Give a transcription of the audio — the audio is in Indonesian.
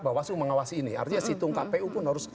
bawaslu mengawasi ini artinya situng kpu pun harus